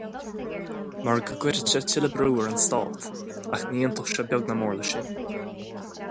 Mar go gcuirfeadh sé tuilleadh brú ar an Stát, ach ní aontódh sé beag ná mór leis sin.